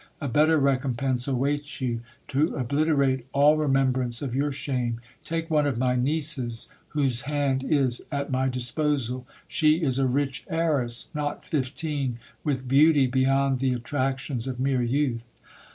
A better recompense awaits you. To obliter ate all remembrance of your shame, take one of my nieces whose hand is at my. disposal. She is a rich heiress, not fifteen, with beauty beyond the attrac tions of mere youth.